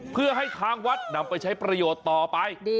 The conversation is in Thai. เพื่อให้ทางวัดนำไปใช้ประโยชน์ต่อไป